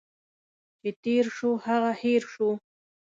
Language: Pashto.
چي تیر شو، هغه هٻر شو.